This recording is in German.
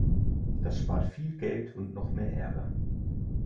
Das spart viel Geld und noch mehr Ärger.